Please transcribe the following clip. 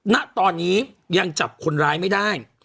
ณตอนนี้ยังจับคนร้ายไม่ได้